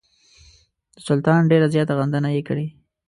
د سلطان ډېره زیاته غندنه یې کړې.